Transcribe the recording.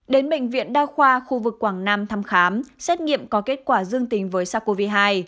đến bệnh viện đa khoa khu vực quảng nam thăm khám xét nghiệm có kết quả dương tính với sars cov hai